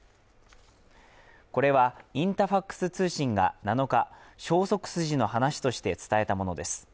これは、インタファクス通信が７日、消息筋の話として伝えたものです。